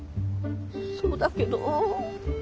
そうだけど。